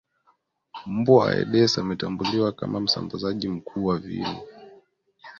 Mbu wa Aedes ametambuliwa kama msambazaji mkuu wa viini